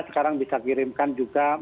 sekarang bisa kirimkan juga